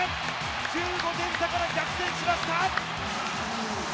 １５点差から逆転しました！